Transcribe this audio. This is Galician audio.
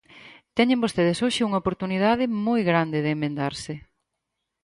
Teñen vostedes hoxe unha oportunidade moi grande de emendarse.